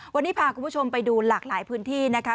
วันนี้พาคุณผู้ชมไปดูหลากหลายพื้นที่นะคะ